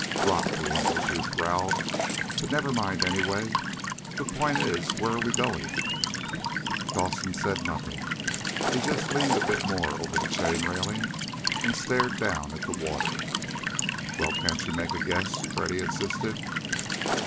"Rot!" the English youth growled. "But never mind, anyway. The point is, where are we going?" Dawson said nothing. He just leaned a bit more over the chain railing, and stared down at the water. "Well, can't you make a guess?" Freddy insisted.